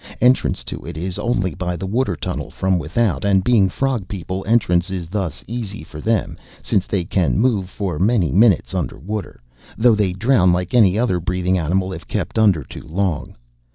Entrance to it is only by the water tunnel from without, and being frog people entrance thus is easy for them since they can move for many minutes under water, though they drown like any other breathing animal if kept under too long.